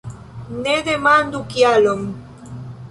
Ne demandu kialon!